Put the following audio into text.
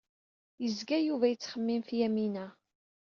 Yezga Yuba yettxemmim ɣef Yamina.